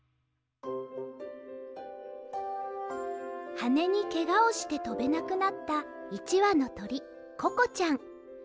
はねにけがをしてとべなくなった１わのとりココちゃん。